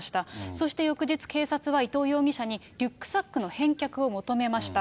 そして翌日、警察は伊藤容疑者にリュックサックの返却を求めました。